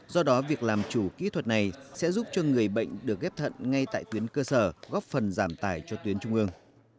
do đó việc làm chủ kỹ thuật này sẽ giúp cho người bệnh được ghép thận ngay tại tuyến cơ sở góp phần giảm tải cho tuyến trung ương